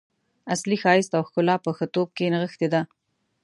اصلي ښایست او ښکلا په ښه توب کې نغښتې ده.